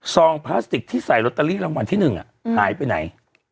องพลาสติกที่ใส่ลอตเตอรี่รางวัลที่๑หายไปไหน